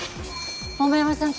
桃山さん